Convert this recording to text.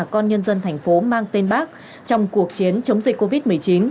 cho nhân dân tp hcm trong cuộc chiến chống dịch covid một mươi chín